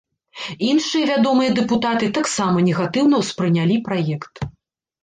Іншыя вядомыя дэпутаты таксама негатыўна ўспрынялі праект.